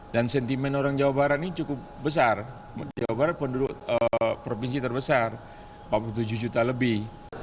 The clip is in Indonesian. dan sentimen orang jawa barat ini cukup besar jawa barat penduduk provinsi terbesar empat puluh tujuh juta lebih